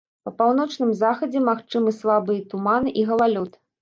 Па паўночным захадзе магчымы слабыя туман і галалёд.